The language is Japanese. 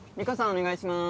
お願いします